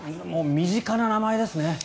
身近な名前ですね。